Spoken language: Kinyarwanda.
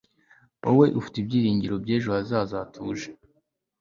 wowe ufite ibyiringiro by'ejo hazaza hatuje